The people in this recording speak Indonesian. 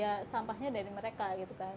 ya sampahnya dari mereka gitu kan